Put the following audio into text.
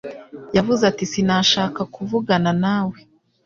Yavuze ati Sinashaka kuvugana nawe